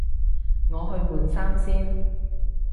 我去換衫先